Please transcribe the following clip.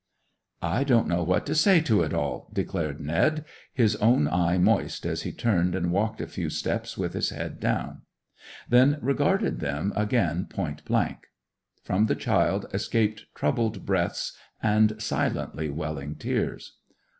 'I don't know what to say to it all!' declared Ned, his own eye moist as he turned and walked a few steps with his head down; then regarded them again point blank. From the child escaped troubled breaths and silently welling tears.